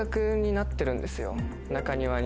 中庭に。